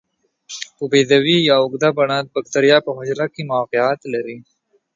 په بیضوي یا اوږده بڼه د باکتریا په حجره کې موقعیت لري.